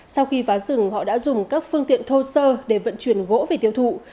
sau khi phá rừng họ đã dùng các phương tiện thô sơ để vận chuyển gỗ về tiêu thụ